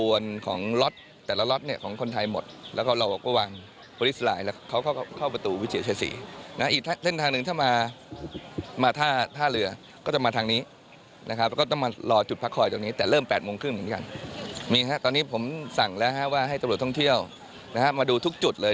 ว่าให้ตำรวจท่องเที่ยวมาดูทุกจุดเลย